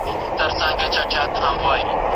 بڼو ته غېږ ورکوي